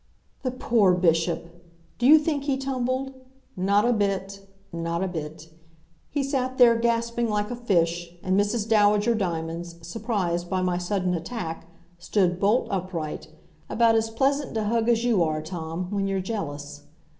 The poor Bishop! Do you think he tumbled? Not a bit not a bit. He sat there gasping like a fish, and Mrs. Dowager Diamonds, surprised by my sudden attack, stood bolt upright, about as pleasant to hug as as you are, Tom, when you're jealous.